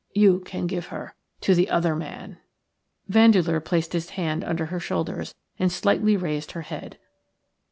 You can give her to the other man." Vandeleur placed his hand under her shoulders and slightly raised her head.